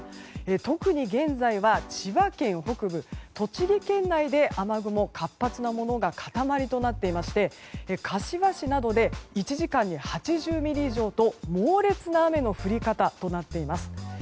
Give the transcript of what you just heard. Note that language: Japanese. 特に現在は千葉県北部、栃木県内で雨雲、活発なものが塊となっていまして柏市などで１時間に８０ミリ以上と猛烈な雨の降り方となっています。